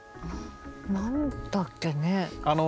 何だっけね？